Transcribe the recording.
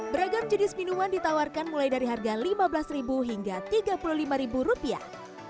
beragam jenis minuman ditawarkan mulai dari harga lima belas hingga tiga puluh lima rupiah